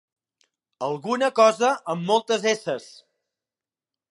Alguna cosa amb moltes esses.